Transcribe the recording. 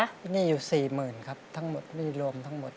หนี้อยู่สี่หมื่นครับทั้งหมดหนี้รวมทั้งหมด